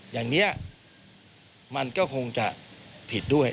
อย่างนี้มันก็คงจะผิดด้วย